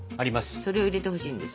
それを入れてほしいんです。